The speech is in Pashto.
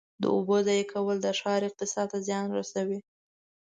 د اوبو ضایع کول د ښار اقتصاد ته زیان رسوي.